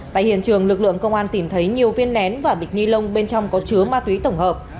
tại hiện trường lực lượng công an tìm thấy nhiều viên nén và bịch ni lông bên trong có chứa ma túy tổng hợp